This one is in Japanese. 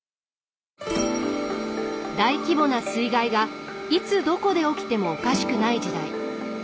大規模な水害がいつどこで起きてもおかしくない時代。